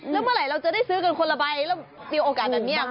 แล้วเมื่อไหร่เราจะได้ซื้อกันคนละใบแล้วมีโอกาสแบบนี้